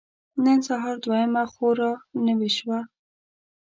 نن سهار دوهمه خور را نوې شوه.